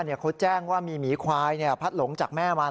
เขาแจ้งว่ามีหมีควายพัดหลงจากแม่มัน